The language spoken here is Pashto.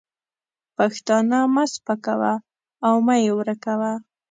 پښتانه مه سپکوه او مه یې ورکوه.